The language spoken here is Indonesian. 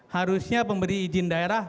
harusnya pemberi izin daerah